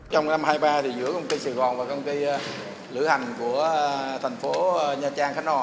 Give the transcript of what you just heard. trong năm hai nghìn hai mươi ba giữa công ty sài gòn và công ty lửa hành của thành phố nha trang khánh hòa